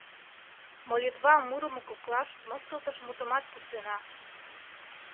Молитва мурымо коклаш мыскылтыш мутымат пуртена.